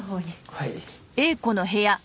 はい。